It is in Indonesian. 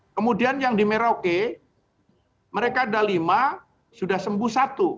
kemudian yang di merauke mereka ada lima sudah sembuh satu